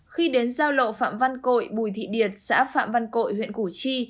khi đến giao lộ phạm văn cội bùi thị điệt xã phạm văn cội huyện củ chi